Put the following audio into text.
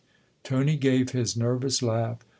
Tony gave his nervous laugh.